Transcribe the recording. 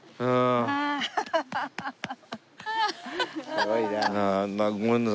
すごいな。